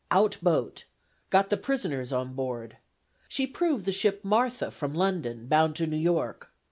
Out boat. Got the prisoners on board. She proved the ship Martha from London, bound to New York.